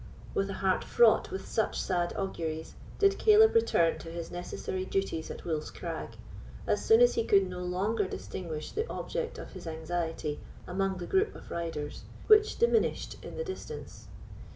With a heart fraught with such sad auguries did Caleb return to his necessary duties at Wolf's Crag, as soon as he could no longer distinguish the object of his anxiety among the group of riders, which diminished in the distance.